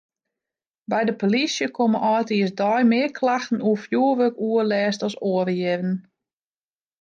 By de polysje komme âldjiersdei mear klachten oer fjoerwurkoerlêst as oare jierren.